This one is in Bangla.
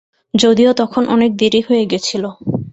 যদিও তখন অনেক দেরি হয়ে গেছিল।